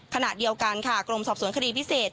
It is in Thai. ขณะเดียวกันค่ะกรมสอบสวนคดีพิเศษ